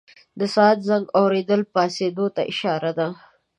د ساعت زنګ اورېدل پاڅېدو ته اشاره ده.